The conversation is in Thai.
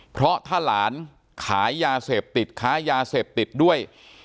เพราะถ้าหลานขายยาเสพติดค้ายาเสพติดด้วย